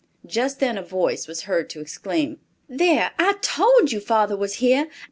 Just then a voice was heard to exclaim, "There, I told you father was here.